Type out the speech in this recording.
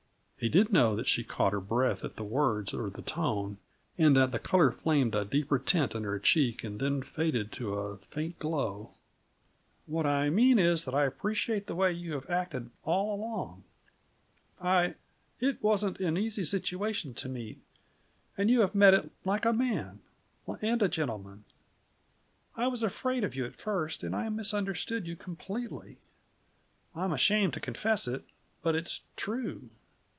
He did know that she caught her breath at the words or the tone, and that the color flamed a deeper tint in her cheek and then faded to a faint glow. "What I mean is that I appreciate the way you have acted all along. I it wasn't an easy situation to meet, and you have met it like a man and a gentleman. I was afraid of you at first, and I misunderstood you completely. I'm ashamed to confess it, but it's true.